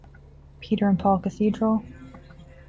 Peter and Paul Cathedral.